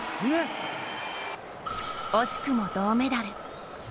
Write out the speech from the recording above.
惜しくも銅メダル。